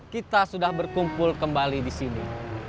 kita sudah berkumpul kembali di sini